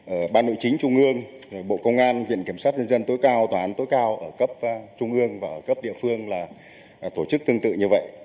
ở ban nội chính trung ương bộ công an viện kiểm sát nhân dân tối cao tòa án tối cao ở cấp trung ương và cấp địa phương là tổ chức tương tự như vậy